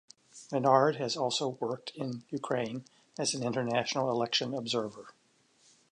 Menard has also worked in Ukraine as an international election observer.